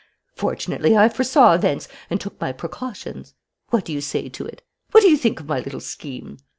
Fortunately, I foresaw events and took my precautions. What do you say to it? What do you think of my little scheme?